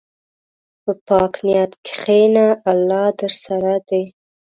په پاک نیت کښېنه، الله درسره دی.